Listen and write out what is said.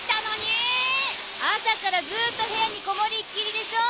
あさからずっとへやにこもりっきりでしょ？